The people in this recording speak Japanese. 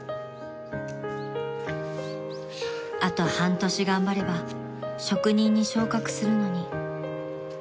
［あと半年頑張れば職人に昇格するのに］